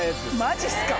マジっすか。